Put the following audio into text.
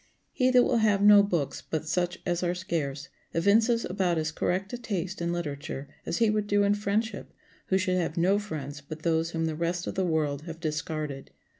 He that will have no books but such as are scarce evinces about as correct a taste in literature as he would do in friendship who should have no friends but those whom the rest of the world have discarded.